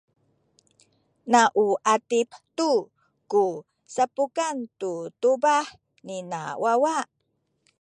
na u atip tu ku sapukan tu tubah nina wawa.